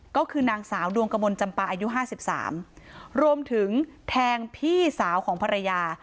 ก็คือนางสาวดวงกระมวลจำปาอายุห้าสิบสามรวมถึงแทงพี่สาวของภรรยา